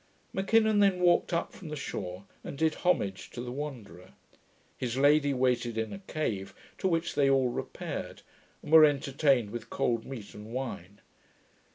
M'Kinnon then walked up from the shore, and did homage to the Wanderer. His lady waited in a cave, to which they all repaired, and were entertained with cold meat and wine.